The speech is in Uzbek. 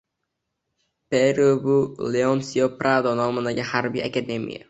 Peru bu – Leonsio Prado nomidagi harbiy akademiya